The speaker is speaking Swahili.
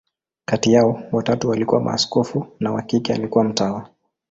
Kati yao, watatu walikuwa maaskofu, na wa kike alikuwa mtawa.